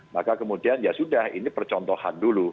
maka kemudian ya sudah ini percontohan dulu